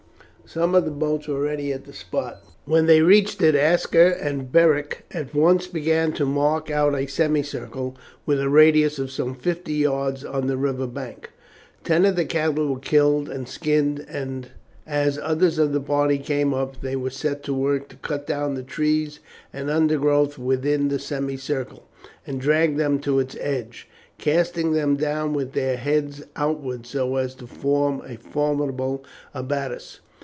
Some of the boats were already at the spot. When they reached it Aska and Beric at once began to mark out a semicircle, with a radius of some fifty yards, on the river bank. Ten of the cattle were killed and skinned, and as others of the party came up they were set to work to cut down the trees and undergrowth within the semicircle, and drag them to its edge, casting them down with their heads outwards so as to form a formidable abbatis.